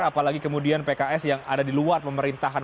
apalagi kemudian pks yang ada di luar pemerintahan